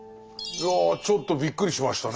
いやちょっとびっくりしましたね。